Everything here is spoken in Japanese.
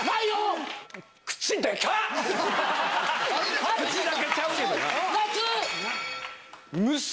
口だけちゃうけどな。